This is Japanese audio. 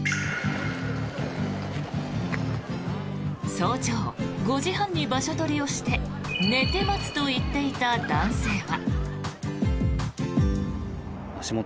早朝５時半に場所取りをして寝て待つと言っていた男性は。